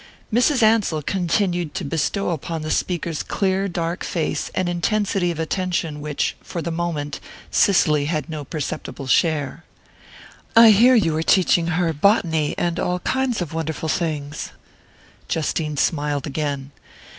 Mrs. Ansell continued to bestow upon the speaker's clear dark face an intensity of attention in which, for the moment, Cicely had no perceptible share. "I hear you are teaching her botany, and all kinds of wonderful things." Justine smiled again.